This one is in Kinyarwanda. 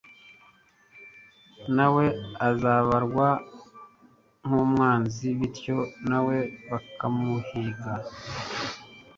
nawe azabarwa nkumwanzi bityo nawe bakamuhiga